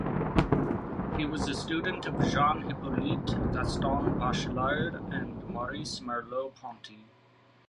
He was a student of Jean Hyppolite, Gaston Bachelard and Maurice Merleau-Ponty.